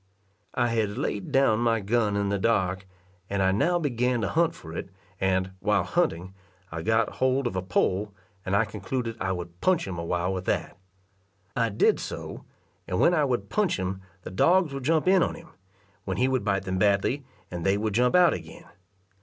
I had laid down my gun in the dark, and I now began to hunt for it; and, while hunting, I got hold of a pole, and I concluded I would punch him awhile with that. I did so, and when I would punch him, the dogs would jump in on him, when he would bite them badly, and they would jump out again.